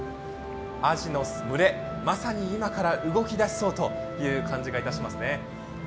あじの群れ、まさに今から動き出しそうという感じがしますね。